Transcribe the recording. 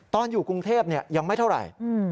อยู่กรุงเทพยังไม่เท่าไหร่